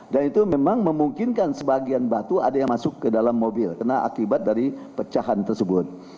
dan itu memang memungkinkan sebagian batu ada yang masuk ke dalam mobil karena akibat dari pecahan tersebut